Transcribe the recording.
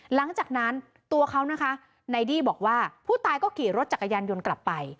หลังจากนั้นตัวเขานะคะนายดี้บอกว่าผู้ตายก็ขี่รถจักรยานยนต์กลับไป